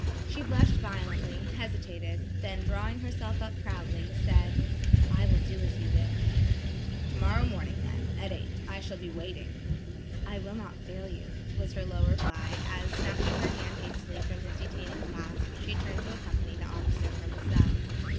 She blushed violently, hesitated, then drawing herself up proudly said: "I will do as you wish." "Tomorrow morning then, at eight, I shall be waiting." "I will not fail you," was her low reply, as snatching her hand hastily from his detaining clasp, she turned to accompany the officer from the cell.